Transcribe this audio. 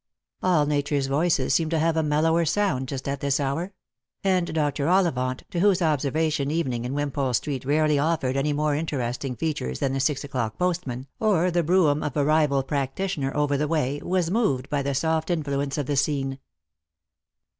All Nature's voices seemed to have a mellower sound just at this hour; and Dr. Ollivant, to whose observation evening in Winipole street rarely offered any more interesting features than the six o'clock postman, or the brougham of a rival practitioner over the way, was moved by the soft influence of the scene.